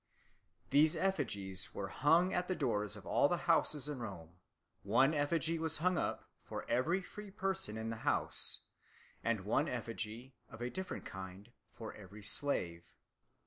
These effigies were hung at the doors of all the houses in Rome; one effigy was hung up for every free person in the house, and one effigy, of a different kind, for every slave.